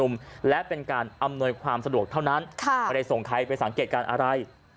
ไม่ได้ส่งใครไปสังเกตการณ์อะไร